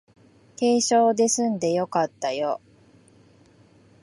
軽傷ですんでよかったよ